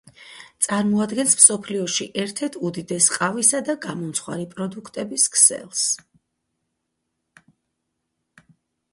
წარმოადგენს მსოფლიოში ერთ-ერთ უდიდეს ყავისა და გამომცხვარი პროდუქტების ქსელს.